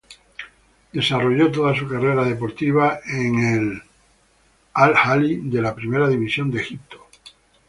Desarrolló toda su carrera deportiva en el Al-Ahly de la Primera División de Egipto.